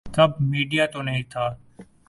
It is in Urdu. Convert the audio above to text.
تب میڈیا تو نہیں تھا۔